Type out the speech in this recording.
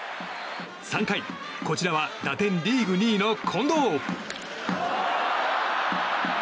３回、こちらは打点リーグ２位の近藤。